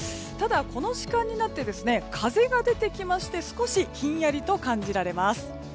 ただこの時間になって風が出てきまして少しひんやりと感じられます。